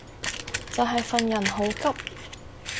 就係份人好急